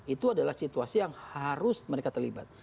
itu adalah situasi yang harus mereka terlibat